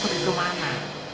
kalau kalian mau pergi kemana